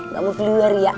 gak mau keluar ya